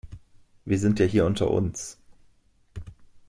Wir sind hier ja unter uns.